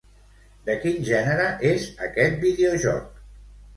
De quin gènere és aquest videojoc?